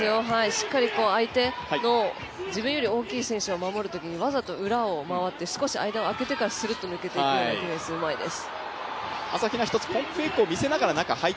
しっかり相手の自分より大きい選手を守るときに守るときにわざと裏を回って少し間を開けてからするっと抜けていくようなディフェンスがうまいです。